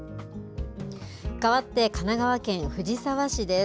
かわって神奈川県藤沢市です。